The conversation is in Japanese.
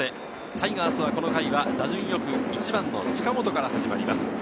タイガース、打順よく１番・近本から始まります。